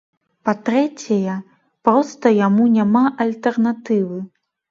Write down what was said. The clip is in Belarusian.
Па-трэцяе, проста яму няма альтэрнатывы.